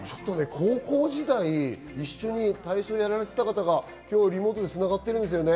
高校時代、一緒に体操やられていた方が今日リモートで繋がってるんですよね。